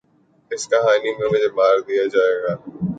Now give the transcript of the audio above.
ﺍﺱ ﮐﮩﺎﻧﯽ ﻣﯿﮟ ﻣﺠﮭﮯ ﻣﺎﺭ ﺩﯾﺎ ﺟﺎﺋﮯ ﮔﺎ